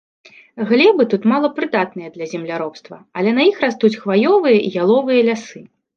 Глебы тут малапрыдатныя для земляробства, але на іх растуць хваёвыя і яловыя лясы.